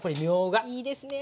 いいですね